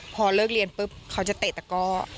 พอเลิกเรียนปุ๊บเขาจะเตะตะก้อ